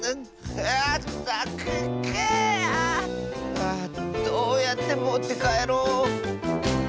ああどうやってもってかえろう。